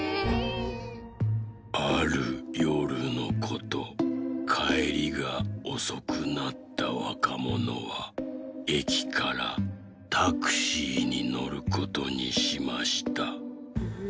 「あるよるのことかえりがおそくなったわかものはえきからタクシーにのることにしました。